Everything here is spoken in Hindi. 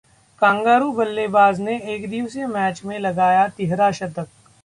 कंगारू बल्लेबाज ने एकदिवसीय मैच में लगाया तिहरा शतक